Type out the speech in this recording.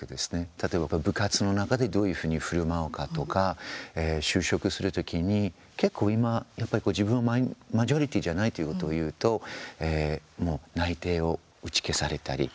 例えば部活の中でどういうふうにふるまうかとか就職する時に結構、今自分がマジョリティーじゃないということを言うと、もう内定を打ち消されたりということ。